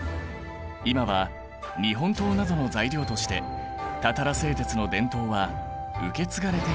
今は日本刀などの材料としてたたら製鉄の伝統は受け継がれているんだ。